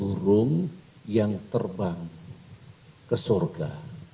burung yang terbang ke surga